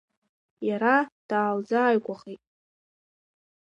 Иара даалзааигәахеит.